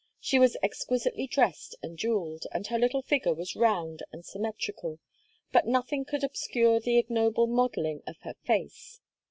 She was exquisitely dressed and jewelled, and her little figure was round and symmetrical; but nothing could obscure the ignoble modelling of her face.